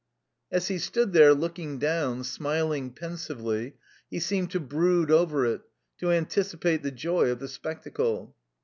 As he stood there, looking down, smiling pensively, he seemed to brood over it, to anticipate the joy of the spectacle.